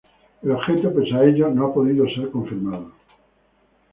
El objeto, pese a ello, no ha podido ser confirmado.